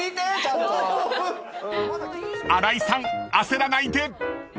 ［新井さん焦らないで！］